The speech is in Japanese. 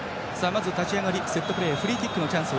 まず立ち上がりのセットプレーフリーキックのチャンス。